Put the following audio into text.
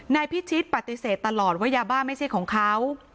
นายพิชิตปฏิเสธตลอดว่ายาบ้าไม่ใช่ของเขา